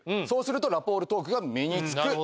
そうするとラポールトークが身に付く。